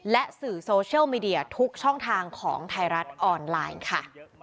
และสื่อโซเชียลมีเดียทุกช่องทางของไทยรัฐออนไลน์ค่ะ